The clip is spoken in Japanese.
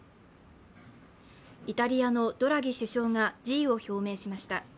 イタリアのドラギ首相が辞意を表明しました。